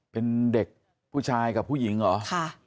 เป็นเด็กผู้ชายกับผู้หญิงเหรอ